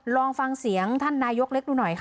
ลองฟังเสียงท่านนายกเล็กดูหน่อยค่ะ